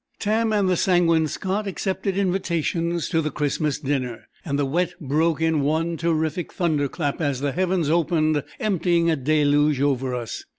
Tam and the Sanguine Scot accepted invitations to the Christmas dinner; and the Wet broke in one terrific thunderclap, as the heavens, opening, emptied a deluge over us.